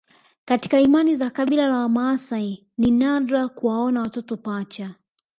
Katika imani za kabila la Wamaasai ni nadra kuwaona watoto pacha